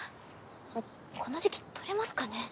この時期採れますかね。